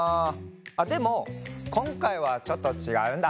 あっでもこんかいはちょっとちがうんだ。